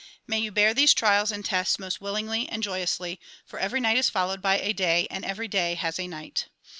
May you bear these trials and tests most willingly and joyously, for every night is followed by a day and every day has a night.